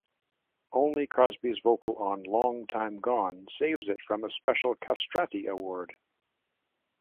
Only Crosby's vocal on 'Long Time Gone' saves it from a special castrati award.